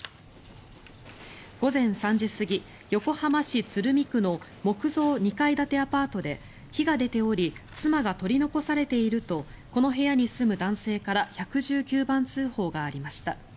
午前３時過ぎ、横浜市鶴見区の木造２階建てアパートで火が出ており妻が取り残されているとこの部屋に住む男性から１１９番通報がありました。